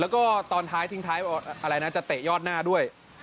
แล้วก็ตอนท้ายทิ้งท้ายว่าอะไรนะจะเตะยอดหน้าด้วย